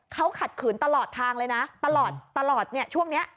เขาขัดขืนตลอดทางเลยนะตลอดตลอดเนี่ยช่วงนี้